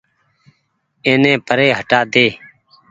اي ني پري هٽآ ۮي ۔